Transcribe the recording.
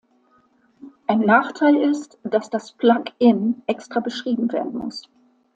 Ein Nachteil ist, dass das Plugin extra beschrieben werden muss.